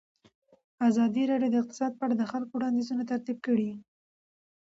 ازادي راډیو د اقتصاد په اړه د خلکو وړاندیزونه ترتیب کړي.